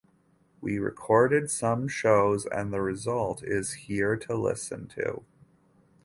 We recorded some shows and the result is here to listen to.